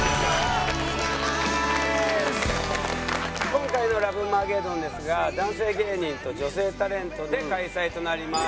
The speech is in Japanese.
今回のラブマゲドンですが男性芸人と女性タレントで開催となります。